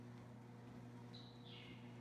宽基多叶蓼为蓼科蓼属下的一个变种。